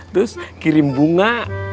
terus kirim bunga